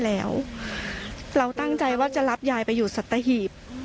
เราตั้งใจว่าจะรับยายไปอยู่สัตว์ฮีภ